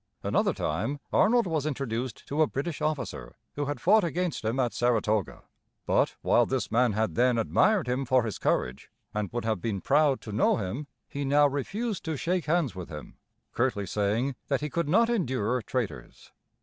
Another time Arnold was introduced to a British officer who had fought against him at Saratoga. But, while this man had then admired him for his courage, and would have been proud to know him, he now refused to shake hands with him, curtly saying that he could not endure traitors.